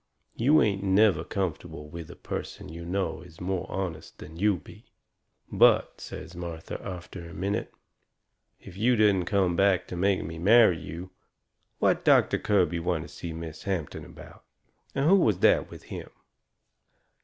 You ain't never comfortable with a person you know is more honest than you be. "But," says Martha, after a minute, "if you didn't come back to make me marry you, what does Doctor Kirby want to see Miss Hampton about? And who was that with him?"